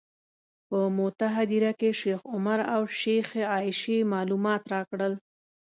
په موته هدیره کې شیخ عمر او شیخې عایشې معلومات راکړل.